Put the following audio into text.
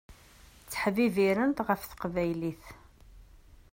Ttḥebbiṛent ɣef teqbaylit.